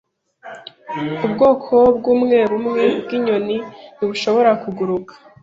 Ubwoko bumwebumwe bwinyoni ntibushobora kuguruka.